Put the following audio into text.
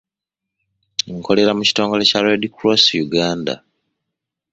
Nkolera mu kitongole kya Red cross Uganda.